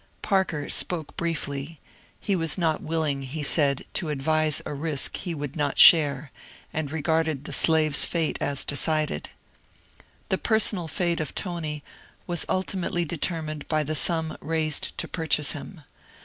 Parker spoke briefly ; he was not willing, he said, to advise a risk he would not share, and regarded the slave's fate as decided. The personal fate of Tony was ultimately determined by the sum raised to purchase him.